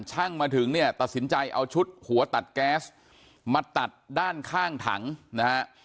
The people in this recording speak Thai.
ช่างมาถึงเนี่ยตัดสินใจเอาชุดหัวตัดแก๊สมาตัดด้านข้างถังนะฮะ